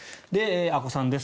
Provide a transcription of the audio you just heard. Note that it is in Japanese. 阿古さんです。